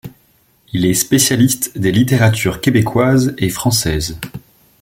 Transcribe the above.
Il est spécialiste des littératures québécoise et française.